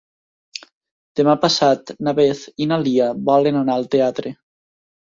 Demà passat na Beth i na Lia volen anar al teatre.